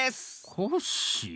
コッシー！